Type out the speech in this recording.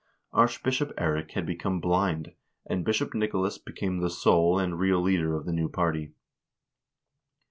Archbishop Eirik had become blind, and Bishop Nicolas became the soul and real leader of the new party.